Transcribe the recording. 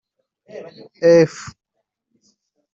f